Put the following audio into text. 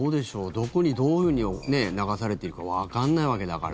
どこにどういうふうに流されているかわかんないわけだから。